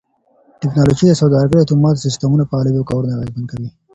ټکنالوژي د سوداګرۍ اتومات سيستمونه فعالوي او کارونه اغېزمن کوي.